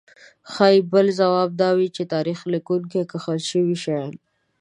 ښايي بل ځواب دا وي چې د تاریخ لیکونکو کښل شوي شیان.